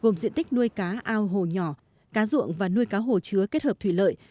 gồm diện tích nuôi cá ao hồ nhỏ cá ruộng và nuôi cá hồ chứa kết hợp thủy lợi